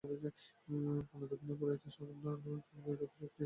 পুনর্দক্ষিণেন পুরুয়িত্বা সব্যেন সমুৎসুজেৎ যথাশক্তি।